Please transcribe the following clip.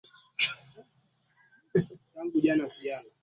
esema baada yakumaliza kutangaza majimbo kadhaa kama ishirini na tatu hivi